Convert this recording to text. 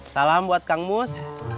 salam buat kang mus